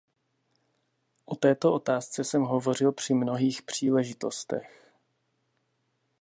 O této otázce jsem hovořil při mnohých příležitostech.